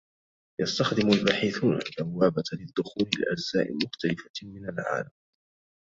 يستخدم الباحثون البوابة للدخول لأجزاء مختلفة من العالم.